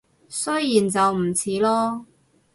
雖然就唔似囉